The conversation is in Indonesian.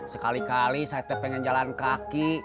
sekali kali saya pengen jalan kaki